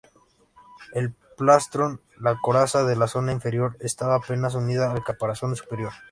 El plastrón, la coraza de la zona inferior estaba apenas unida al caparazón superior.